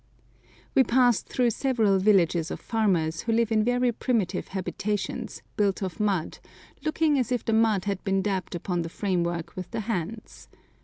We passed through several villages of farmers who live in very primitive habitations, built of mud, looking as if the mud had been dabbed upon the framework with the hands.